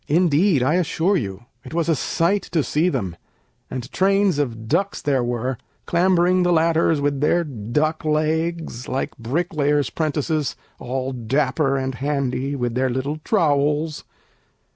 Indeed, I assure you, it was a sight to see them; And trains of ducks there were, clambering the ladders With their duck legs, like bricklayers' 'prentices, All dapper and handy, with their little trowels.